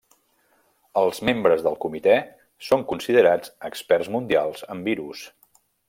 Els membres del comitè són considerats experts mundials en virus.